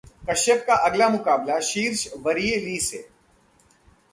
कश्यप का अगला मुकाबला शीर्ष वरीय ली से